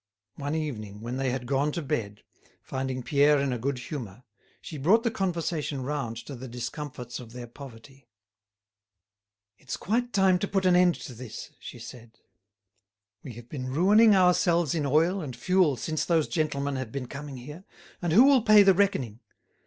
One evening, when they had gone to bed, finding Pierre in a good humour, she brought the conversation round to the discomforts of their poverty. "It's quite time to put an end to this," she said. "We have been ruining ourselves in oil and fuel since those gentlemen have been coming here. And who will pay the reckoning?